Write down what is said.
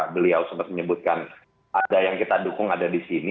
beliau sempat menyebutkan ada yang kita dukung ada di sini